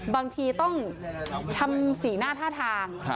บางทีต้องทำสีหน้าท่าทาง